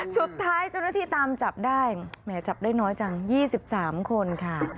สุดท้ายเจ้าหน้าที่ตามจับได้แหมจับได้น้อยจัง๒๓คนค่ะ